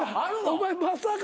お前まさか。